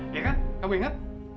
iya kan kamu ingat